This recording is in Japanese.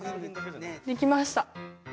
できました。